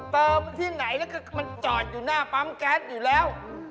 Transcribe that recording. เติมที่ไหนแล้วคือมันจอดอยู่หน้าปั๊มแก๊สอยู่แล้ว